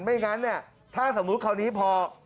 ไม่งั้นถ้าสมมุติคราวนี้พอ